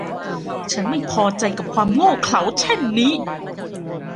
ฉันไม่พอใจกับความโง่เขลาเช่นนี้